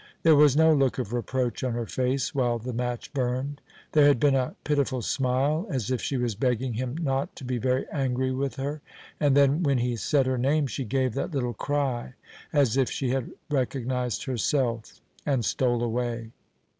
There was no look of reproach on her face while the match burned; there had been a pitiful smile, as if she was begging him not to be very angry with her; and then when he said her name she gave that little cry as if she had recognized herself, and stole away.